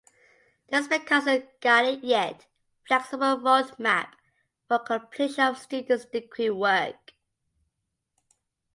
This becomes a guiding yet flexible road map for completion of students' degree work.